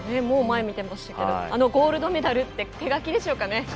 もう前向いてましたけどゴールドメダルって手書きでしょうかね。